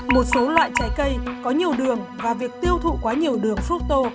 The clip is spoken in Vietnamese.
một số loại trái cây có nhiều đường và việc tiêu thụ quá nhiều đường fructo